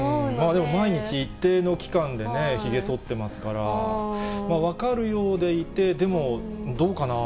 でも毎日一定の期間でね、ひげそってますから、分かるようでいて、でも、どうかな？